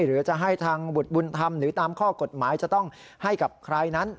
หรือจะให้ทางบุตรบุญธรรมหรือตามข้อกฎหมายจะต้องให้กับใครนั้น